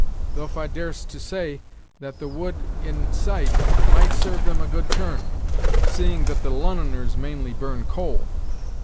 Thof I dar'st to say, that the wood in sight might sarve them a good turn, seeing that the Lon'oners mainly burn coal."